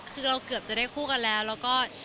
คือเราเกือบจะได้คู่กันแล้วแล้วก็